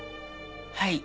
はい。